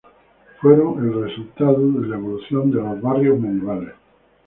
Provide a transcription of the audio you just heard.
Fueron resultado de la evolución de los barrios medievales.